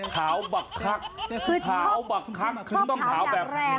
ขาวบรรคักคือต้องขาวแบบ